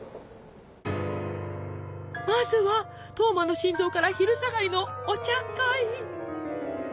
まずは「トーマの心臓」から昼下がりの「お茶会」。